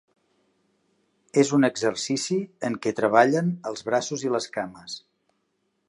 És un exercici en què treballen els braços i les cames.